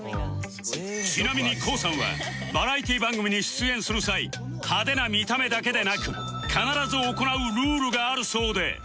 ちなみに ＫＯＯ さんはバラエティー番組に出演する際派手な見た目だけでなく必ず行うルールがあるそうで